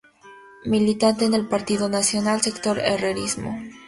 Militante en el Partido Nacional, sector Herrerismo.